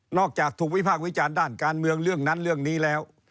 อกจากถูกวิพากษ์วิจารณ์ด้านการเมืองเรื่องนั้นเรื่องนี้แล้ว